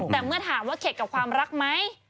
แต่เมื่อถามว่าเข็ดกับความรักไหม